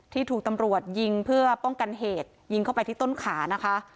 ถูกตำรวจยิงเพื่อป้องกันเหตุยิงเข้าไปที่ต้นขานะคะ